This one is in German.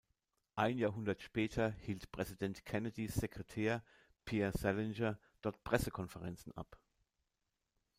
Ein Jahrhundert später hielt Präsident Kennedys Sekretär, Pierre Salinger, dort Pressekonferenzen ab.